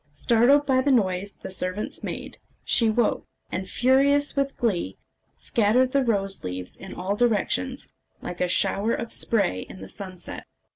Startled by the noise the servants made, she woke, and, furious with glee, scattered the rose leaves in all directions, like a shower of spray in the sunset.